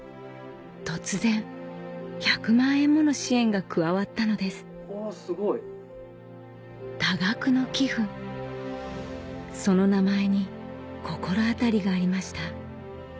突然１００万円もの支援が加わったのです多額の寄付その名前に心当たりがありました